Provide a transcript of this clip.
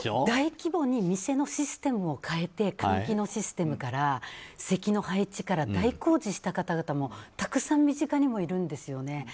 大規模に店のシステムを変えて換気のシステムから席の配置から、大工事した方もたくさん身近にもいるんですよね。